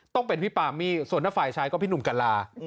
ต้องเป็นพี่ปามี่ส่วนถ้าฝ่ายชายก็พี่หนุ่มกัลลา